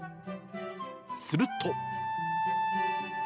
すると。